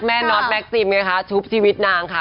แม่นอทแม็กซิมเนี่ยค่ะชุบชีวิตนางค่ะ